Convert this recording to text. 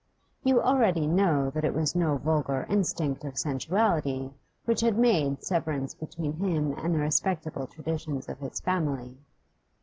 You know already that it was no vulgar instinct of sensuality which had made severance between him and the respectable traditions of his family.